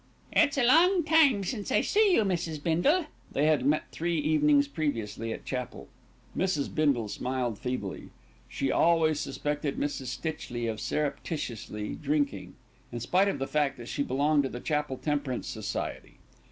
"It's a long time since I see you, Mrs. Bindle." They had met three evenings previously at chapel. Mrs. Bindle smiled feebly. She always suspected Mrs. Stitchley of surreptitious drinking, in spite of the fact that she belonged to the chapel Temperance Society.